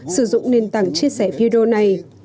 sử dụng nền tảng chia sẻ video này